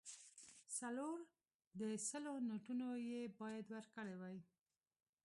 څلور د سلو نوټونه یې باید ورکړای وای.